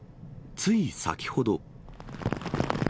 つい先ほど。